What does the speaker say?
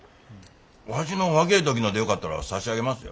わしの若え時のでよかったら差し上げますよ。